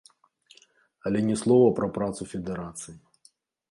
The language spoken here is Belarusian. Але ні слова пра працу федэрацыі.